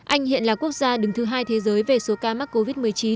anh hiện là quốc gia đứng thứ hai thế giới về số ca mắc covid một mươi chín